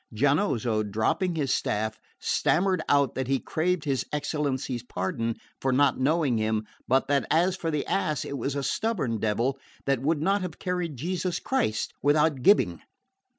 Giannozzo, dropping his staff, stammered out that he craved his excellency's pardon for not knowing him, but that as for the ass it was a stubborn devil that would not have carried Jesus Christ without gibbing.